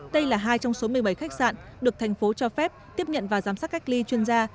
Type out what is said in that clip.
đây là hai trong số một mươi bảy khách sạn được thành phố cho phép tiếp nhận và giám sát cách ly chuyên gia